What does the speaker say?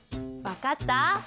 分かった？